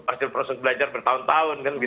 hasil proses belajar bertahun tahun kan